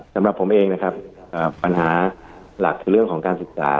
สำหรับผมเองนะครับปัญหาหลักคือเรื่องของการศึกษา